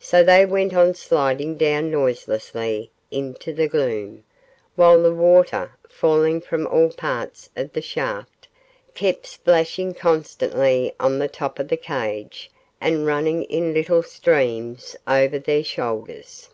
So they went on sliding down noiselessly into the gloom, while the water, falling from all parts of the shaft, kept splashing constantly on the top of the cage and running in little streams over their shoulders.